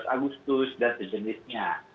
tujuh belas agustus dan sejenisnya